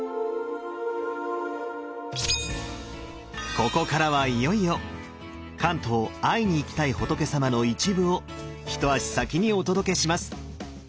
ここからはいよいよ「関東会いに行きたい仏さま」の一部を一足先にお届けします！